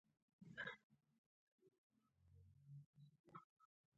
احمد او علي په مستۍ کې یو له بل نه ښه موټي و خوړل.